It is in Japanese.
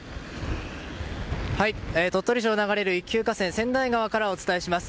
鳥取市を流れる一級河川千代川からお伝えします。